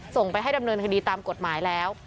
ส่งไปให้ดำเนินคดีตามกฎหมายแล้ว